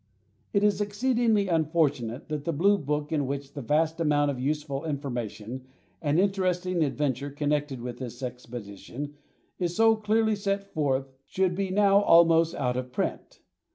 It is exceedingly unfortunate that the blue book in which the vast amount of useful information and interesting adventure connected with this expedition is so clearly set forth should be now almost out of print.